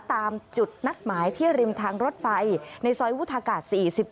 ตามจุดนัดหมายที่ริมทางรถไฟในซอยวุฒากาศ๔๗